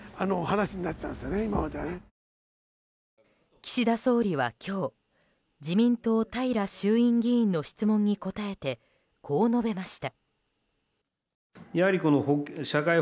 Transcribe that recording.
岸田総理は今日自民党、平衆院議員の質問に答えて、こう述べました。